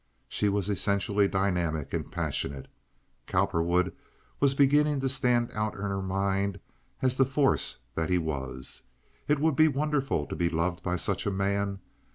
She was essentially dynamic and passionate. Cowperwood was beginning to stand out in her mind as the force that he was. It would be wonderful to be loved by such a man.